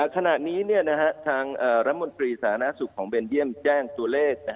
ขณะนี้ทางรมศาลทรีย์สถานศึกษ์ของเบนเดีียมแจ้งตัวเลข